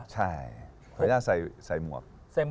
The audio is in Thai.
ใช่ระยะใส่หมวก